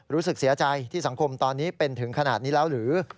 รู้สึกเสียใจที่สังคมตอนนี้เป็นถึงขนาดนี้แล้วหรือ